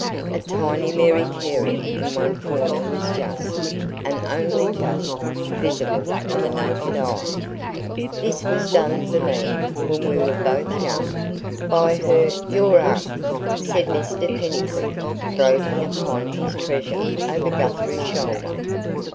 A tiny 'Mary Carey' in one corner was just, and only just, visible to the naked eye. "This was done for me, when we were both young, by her your aunt," said Mr Pennycuick, gloating upon his treasure over Guthrie's shoulder.